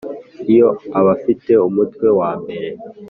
iyo abafite umutwe wambere